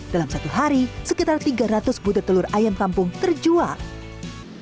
dalam satu hari sekitar tiga ratus butet telur ayam kampung terjual